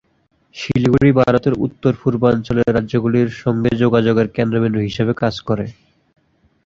শিলিগুড়ি ভারতের উত্তর পূর্বাঞ্চলের রাজ্যগুলির সঙ্গে যোগাযোগের কেন্দ্রবিন্দু হিসেবে কাজ করে।